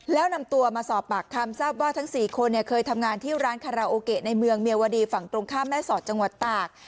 แล้วนำตัวมาสอบปากคำทราบว่าทั้ง๔คนเคยทำงานที่ร้านคาราโอเกะในเมืองเมียวดีฝั่งตรงข้ามแม่สอดจังหวัดตาก